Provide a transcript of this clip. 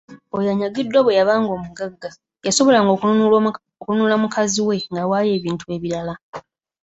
"Oyo anyagiddwa bwe yabanga omugagga, yasobolanga okununula mukazi we ng'awaayo ebintu ebirala."